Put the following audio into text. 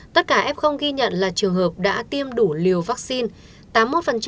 tất cả f ghi nhận là trường hợp đã tiêm đủ liều vaccine